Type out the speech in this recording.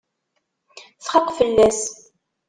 Txaq fell-as.